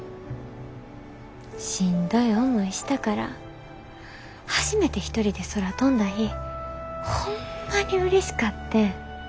しんどい思いしたから初めて一人で空飛んだ日ホンマにうれしかってん。